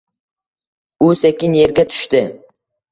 U sekin yerga tushdi.